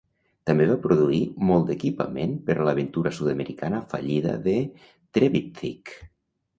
També va produir molt d'equipament per a l'aventura sud-americana fallida de Trevithick.